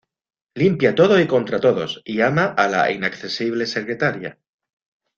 Limpia todo y contra todos y ama a la inaccesible secretaria.